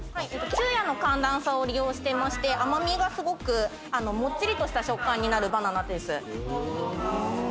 昼夜の寒暖差を利用してまして甘味がすごくもっちりとした食感になるバナナです。